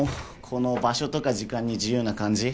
この場所とか時間に自由な感じ？